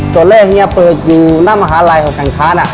ส่วนเลขนี้เปิดอยู่หน้ามหาลัยของการค้าน่ะ